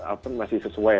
apa masih sesuai